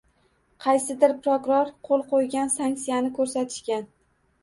Qaysidir prokuror qo‘l qo‘ygan sanksiyani ko‘rsatishgan.